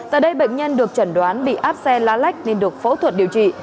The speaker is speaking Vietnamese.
tại đây bệnh nhân được chẩn đoán bị áp xe lá lách nên được phẫu thuật điều trị